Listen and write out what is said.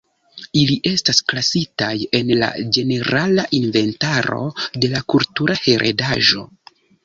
Ili estas klasitaj en la ĝenerala inventaro de la kultura heredaĵo.